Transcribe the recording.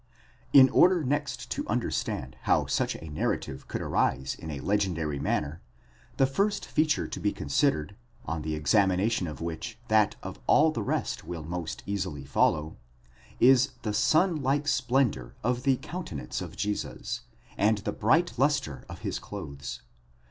° In order next to understand how such a narrative could arise ina legendary manner, the first feature to be considered, on the examination of which that of all the rest will most easily follow, is the sun like splendour of the coun tenance of Jesus, and the bright lustre of his clothes.